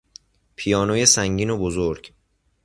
پیانوی سنگین و بزرگ